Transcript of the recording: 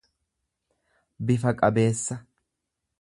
bifa qabeessa.